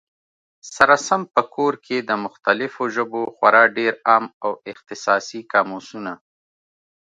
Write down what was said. سره سم په کور کي، د مختلفو ژبو خورا ډېر عام او اختصاصي قاموسونه